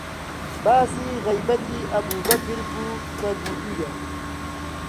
باسی غەیبەتی ئەبووبەکر بوو کە گوتوویە: